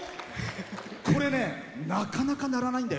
これね、なかなか鳴らないんだよ